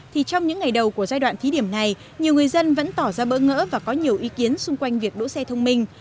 thì trong những ngày đầu của giai đoạn thí điểm này nhiều người dân vẫn tỏ ra bỡ ngỡ và có nhiều ý kiến xung quanh việc đỗ xe thông minh